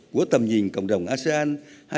của tầm nhìn cộng đồng asean hai nghìn hai mươi năm